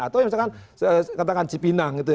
atau misalkan katakan cipinang